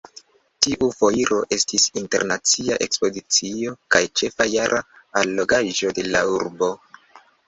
Tiu Foiro estis internacia ekspozicio kaj ĉefa jara allogaĵo de la urbo.